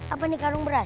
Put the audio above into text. apa nih karung berat